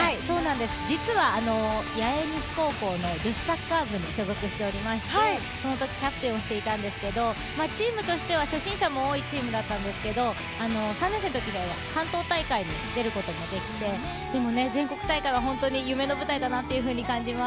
実は八重西高校の女子サッカー部に所属しておりましてそのときキャプテンをしてたんですけどチームとしては初心者も多かったんですけどでも全国大会は本当に夢の舞台だなと感じます。